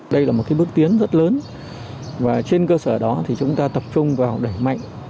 đây là một bước tiến rất lớn và trên cơ sở đó thì chúng ta tập trung vào đẩy mạnh